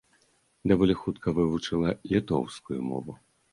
Даволі хутка вывучыла літоўскую мову.